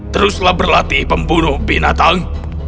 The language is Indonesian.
teruslah berlatih pembunuh binatang